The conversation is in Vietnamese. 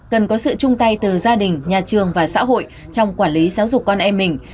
cần có sự chung tay từ gia đình nhà trường và xã hội trong quản lý giáo dục con em mình